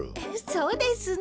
そうですね。